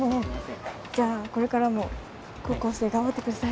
じゃあこれからも高校生頑張ってください。